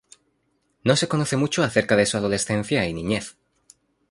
No se conoce mucho acerca de su adolescencia y niñez.